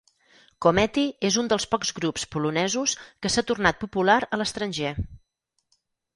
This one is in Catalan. Komety és un dels pocs grups polonesos que s'ha tornat popular a l'estranger.